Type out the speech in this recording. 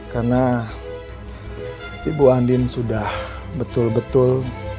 karena ibu andin sudah betul betul